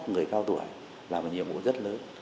người cao tuổi là một nhiệm vụ rất lớn